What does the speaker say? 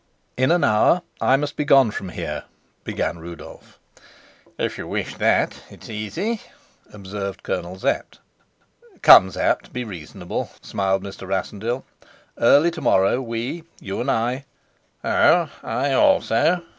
"In an hour I must be gone from here," began Rudolf. "If you wish that, it's easy," observed Colonel Sapt. "Come, Sapt, be reasonable," smiled Mr. Rassendyll. "Early to morrow, we you and I " "Oh, I also?"